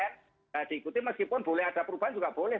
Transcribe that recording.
nah diikuti meskipun boleh ada perubahan juga boleh